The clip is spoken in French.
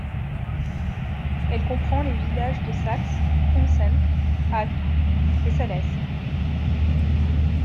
Elle comprend les villages de Sax, Frümsen, Haag et Salez.